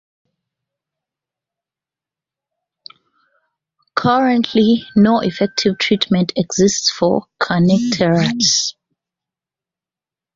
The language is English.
Currently no effective treatment exists for kernicterus.